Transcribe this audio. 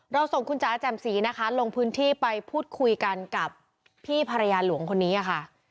ส่งคุณจ๋าแจ่มสีนะคะลงพื้นที่ไปพูดคุยกันกับพี่ภรรยาหลวงคนนี้ค่ะ